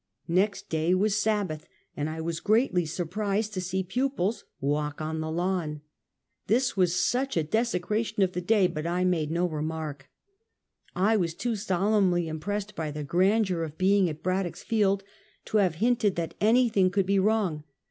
Next day was Sabbath, and I was greatly surprised to see pupils walk on the lawn. This was such a des ecration of the day, but I made no remark. I was too solemnly impressed by the grandeur of being at Brad dock's Field to have hinted that anything could be wrong.